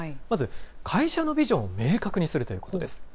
まず、会社のビジョンを明確にするということです。